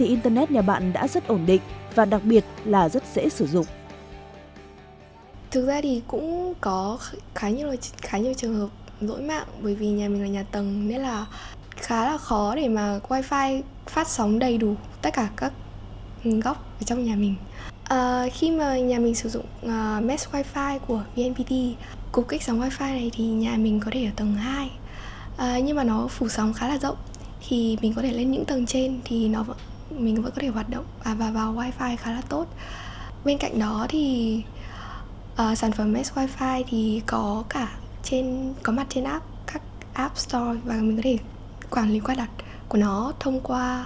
internet nhà bạn đã rất ổn định và đặc biệt là rất dễ sử dụng